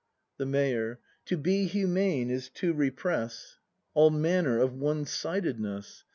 The Mayor. To be humane is to repress All manner of One sidedness.